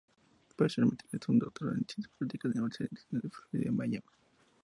Posteriormente realizó un doctorado en Ciencias Políticas en la Universidad Internacional de Florida, Miami.